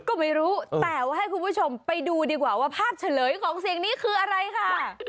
ก็ไม่รู้แต่ว่าให้คุณผู้ชมไปดูดีกว่าว่าภาพเฉลยของเสียงนี้คืออะไรค่ะ